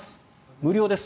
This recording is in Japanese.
無料です。